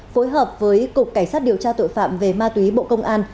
phối hợp với cục cảnh sát điều tra tội phạm về ma túy bộ công an